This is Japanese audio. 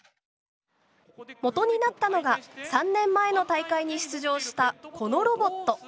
もとになったのが３年前の大会に出場したこのロボット。